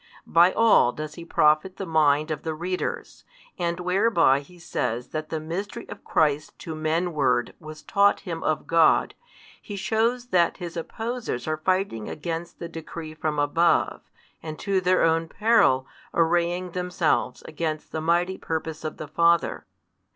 By all does he profit the mind of the headers; and whereby he says that the Mystery of Christ to men ward was taught him of God, he shews that his opposers are fighting against the decree from above, and to their own peril arraying themselves against the mighty purpose of the Father.